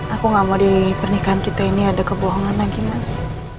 aku gak mau di pernikahan kita ini ada kebohongan lagi mas